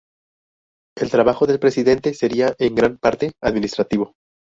El trabajo del Presidente sería en gran parte administrativo.